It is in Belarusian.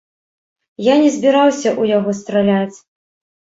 Я не збіраўся ў яго страляць.